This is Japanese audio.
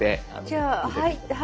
じゃあはいって。